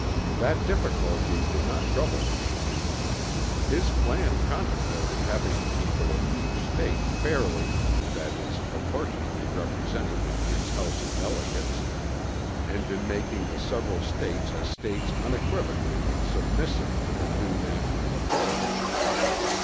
That difficulty did not trouble Pinckney. His plan contemplated having the people of each State fairly, i. e., proportionately represented in his House of Delegates, and in making the several States as States unequivocally submissive to the new national authority.